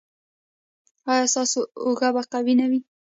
ایا ستاسو اوږې به قوي نه وي؟